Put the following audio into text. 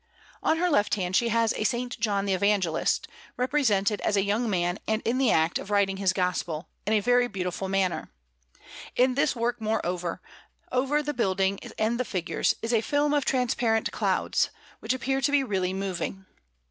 On her left hand she has a S. John the Evangelist, represented as a young man and in the act of writing his Gospel, in a very beautiful manner. In this work, moreover, over the building and the figures, is a film of transparent clouds, which appear to be really moving.